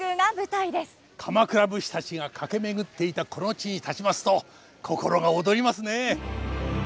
鎌倉武士たちが駆け巡っていたこの地に立ちますと心が躍りますね。